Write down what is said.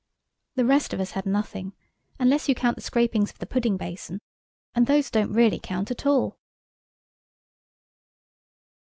The rest of us had nothing, unless you count the scrapings of the pudding basin, and those don't really count at all.